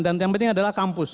dan yang penting adalah kampus